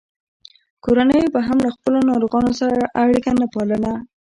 کورنیو به هم له خپلو ناروغانو سره اړیکه نه پاللـه.